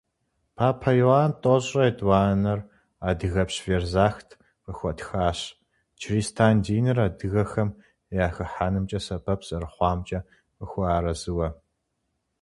Папэ Иоанн тӏощӏрэ етӏуанэр адыгэпщ Верзахт къыхуэтхащ, чристан диныр адыгэхэм яхыхьэнымкӏэ сэбэп зэрыхъуамкӏэ къыхуэарэзыуэ.